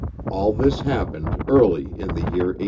All this happened early in the year 1860.